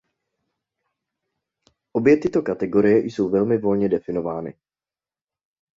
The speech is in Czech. Obě tyto kategorie jsou velmi volně definovány.